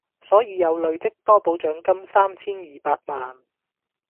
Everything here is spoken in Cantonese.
所以有累積多寶獎金三千二百萬